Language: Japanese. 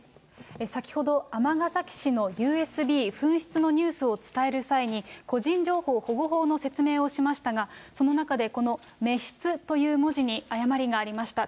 先ほど、尼崎市のＵＳＢ紛失のニュースをお伝えする際、個人情報保護法の説明をしましたが、その中で、この滅失という文字に誤りがありました。